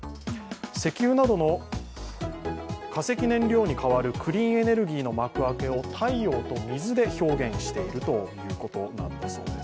石油などの化石燃料に代わるクリーンエネルギーの幕開けを、太陽と水で表現しているということなんだそうです。